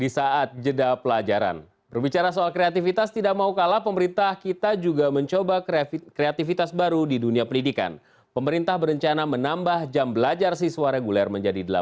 seperti yang dilakukan para pelajar smu berikut ini